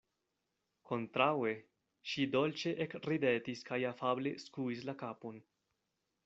Kontraŭe, ŝi dolĉe ekridetis kaj afable skuis la kapon.